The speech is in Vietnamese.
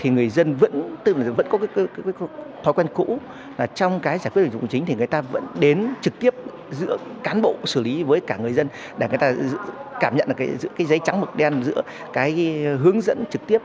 người dân để người ta cảm nhận giấy trắng mực đen giữa hướng dẫn trực tiếp